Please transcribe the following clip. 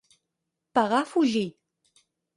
Pegar a fugir.